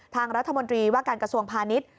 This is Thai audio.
ทางรัฐมนตรีว่าการกระทรวงพาณิชย์